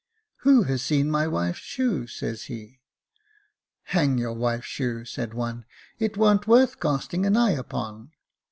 'Who has seen my wife's shoe ?' says he. ' Hang your wife's shoe,' said one, ' it warn't worth casting an eye upon.'